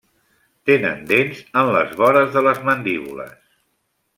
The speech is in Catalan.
Tenen dents en les vores de les mandíbules.